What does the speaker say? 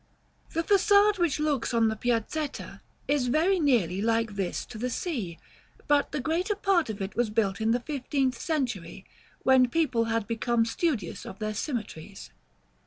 The façade which looks on the Piazetta is very nearly like this to the Sea, but the greater part of it was built in the fifteenth century, when people had become studious of their symmetries.